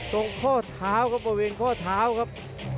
ข้อเท้าครับบริเวณข้อเท้าครับ